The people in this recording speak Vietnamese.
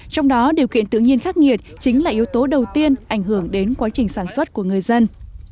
trong đó điều kiện tự nhiên khắc nghiệt chính là yếu tố đầu tiên ảnh hưởng đến quá trình sản xuất của người dân